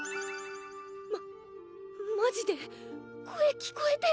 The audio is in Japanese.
ママジで声聞こえてる。